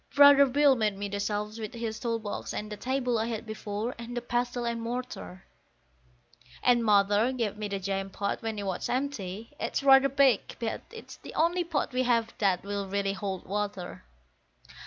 Brother Bill made me the shelves with his tool box, and the table I had before, and the pestle and mortar; And Mother gave me the jam pot when it was empty; it's rather big, but it's the only pot we have that will really hold water.